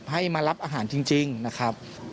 ให้มารับอาหารจริงนะครับ